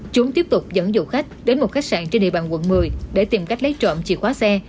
chúng tiếp tục dẫn dụ khách đến một khách sạn trên địa bàn quận một mươi để tìm cách lấy trộm chìa khóa xe